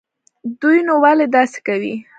دوى نو ولې داسې کوي.